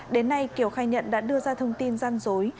đến nay kiều khai nhận đã đưa ra thông tin gian dối